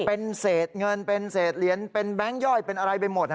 เป็นเศษเงินเป็นเศษเหรียญเป็นแบงค์ย่อยเป็นอะไรไปหมด